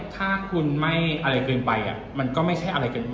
ถ้าคุณไม่อะไรเกินไปมันก็ไม่ใช่อะไรเกิน